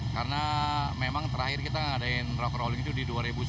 karena memang terakhir kita mengadain rock crawling itu di dua ribu sepuluh